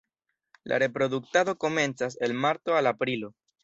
La reproduktado komencas el marto al aprilo.